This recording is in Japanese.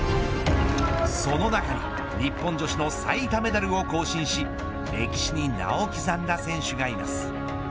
その中に日本女子の最多メダルを更新し歴史に名を刻んだ選手がいます。